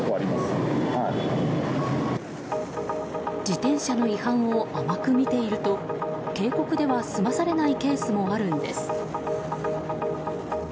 自転車の違反を甘く見ていると警告では済まされないケースもあるんです。